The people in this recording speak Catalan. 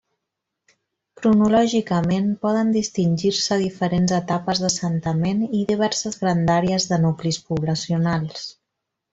Cronològicament poden distingir-se diferents etapes d'assentament i diverses grandàries de nuclis poblacionals.